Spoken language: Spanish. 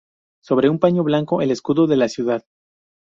Sobre un paño blanco, el escudo de la ciudad.